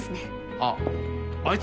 あっあいつ